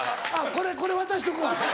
これこれ渡しとくわ。